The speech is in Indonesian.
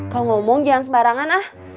kau ngomong jangan sembarangan ah